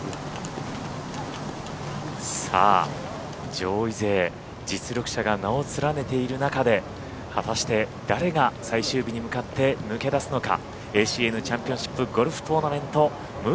上位勢実力者が名を連ねている中で果たして、誰が最終日に向かって抜け出すのか。